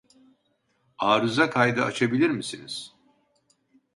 Arıza kaydı açabilir misiniz